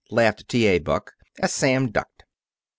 laughed T. A. Buck, as Sam ducked.